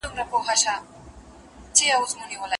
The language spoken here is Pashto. که هغه ثیبه وه نو څومره ځانګړې شپې به ورکړل سي؟